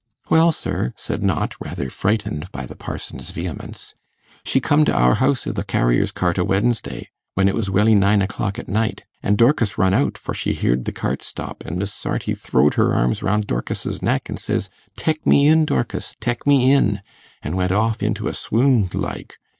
'Well, sir,' said Knott, rather frightened by the parson's vehemence, 'she come t' our house i' the carrier's cart o' Wednesday, when it was welly nine o'clock at night; and Dorkis run out, for she heared the cart stop, an' Miss Sarti throwed her arms roun' Dorkis's neck an' says, "Tek me in, Dorkis, tek me in," an' went off into a swoond, like.